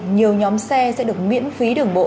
nhiều nhóm xe sẽ được miễn phí đường bộ